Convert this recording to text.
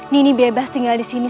nini bebas tinggal disini